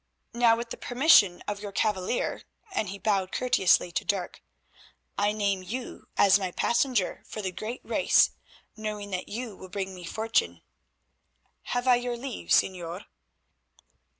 Now, with the permission of your cavalier," and he bowed courteously to Dirk, "I name you as my passenger for the great race, knowing that you will bring me fortune. Have I your leave, Señor?"